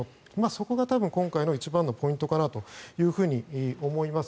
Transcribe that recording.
そこが多分、今回の一番のポイントかなと思います。